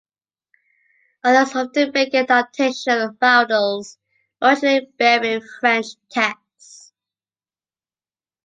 Others often make an adaptation of roundels originally bearing French texts.